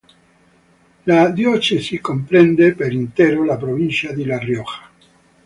La diocesi comprende per intero la provincia di La Rioja.